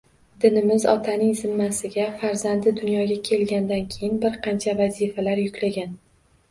Dinimiz otaning zimmasiga farzandi dunyoga kelgandan keyin bir qancha vazifalarni yuklagan